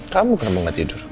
kamu kenapa gak tidur